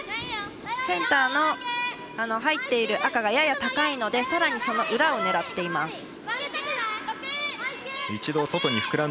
センターの入っている赤がやや高いのでさらにその裏を狙っています。